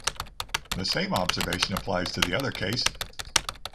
The same observation applies to the other case.